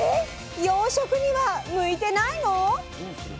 ⁉養殖には向いてないの？